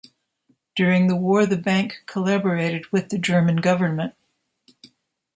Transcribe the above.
During the War the Bank collaborated with the German government.